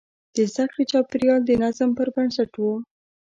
د زده کړې چاپېریال د نظم پر بنسټ و.